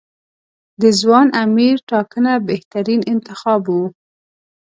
د ځوان امیر ټاکنه بهترین انتخاب و.